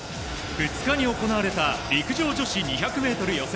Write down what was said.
２日に行われた陸上女子２００メートル予選。